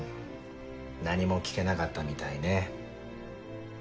何も聞けなかったみたいね。